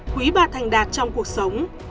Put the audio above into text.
quý bà thành đạt trong cuộc sống